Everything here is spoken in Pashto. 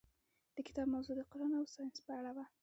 د کتاب موضوع د قرآن او ساینس په اړه وه.